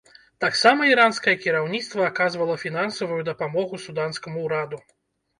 Таксама іранскае кіраўніцтва аказвала фінансавую дапамогу суданскаму ўраду.